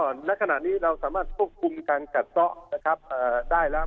ในขณะนี้เราสามารถควบคุมการกัดซ่อนะครับได้แล้ว